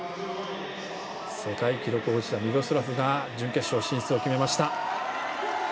世界記録保持者ミロスラフが準々決勝進出を決めました。